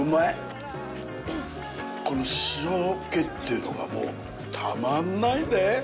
この塩気っていうのが、もうたまんないで。